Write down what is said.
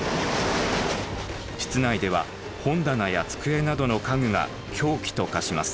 室内では本棚や机などの家具が凶器と化します。